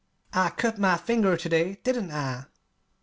I cut my finger to day, didn't I?"